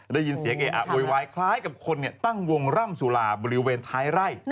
ได้ยินเสียงเออะเอ๊ะเววายคล้ายกับคนเนี่ยตั้งวงร่ำสุราบริเวนไทร่